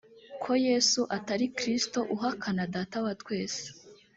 ko yesu atari kristo uhakana data wa twese